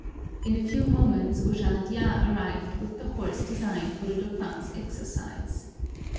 In a few moments Ojardias arrived with the horse designed for the dauphin's exercise.